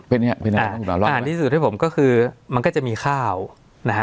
เป็นยังไงอาหารที่สุดให้ผมก็คือมันก็จะมีข้าวนะฮะ